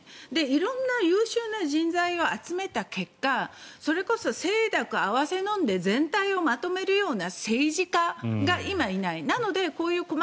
色んな優秀な人材を集めた結果それこそ清濁併せのんで全体をまとめるような政治家が今いない。